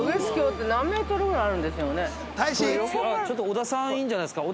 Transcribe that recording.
◆小田さんいいんじゃないですか。